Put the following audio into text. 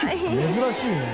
珍しいね